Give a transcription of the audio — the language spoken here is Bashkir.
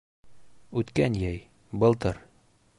Үткән йәй, былтыр